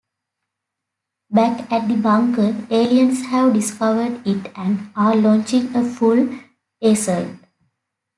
Back at the bunker, aliens have discovered it and are launching a full assault.